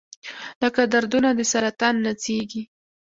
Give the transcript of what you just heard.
لکه دردونه د سرطان نڅیږي